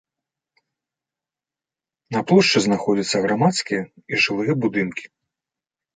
На плошчы знаходзяцца грамадскія і жылыя будынкі.